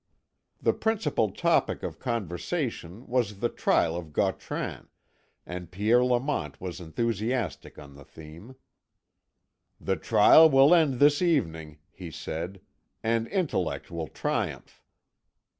The principal topic of conversation was the trial of Gautran, and Pierre Lamont was enthusiastic on the theme. "The trial will end this evening," he said, "and intellect will triumph."